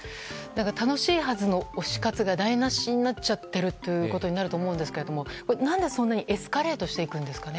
楽しいはずの推し活が台無しになっていると思うんですけど何でそんなにエスカレートしていくんですか。